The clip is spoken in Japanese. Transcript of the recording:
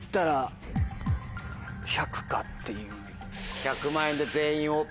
１００万円で「全員オープン」。